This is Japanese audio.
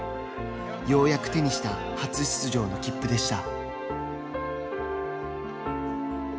ようやく手にした初出場の切符でした。